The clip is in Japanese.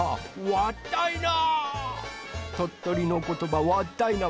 わったいな！